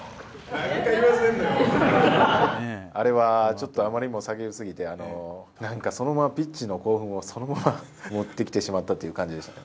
あれはちょっとあまりにも叫びすぎて、そのままピッチの興奮をそのまま持ってきてしまったという感じでしたね。